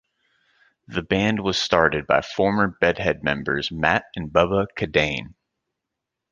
The band was started by former Bedhead members Matt and Bubba Kadane.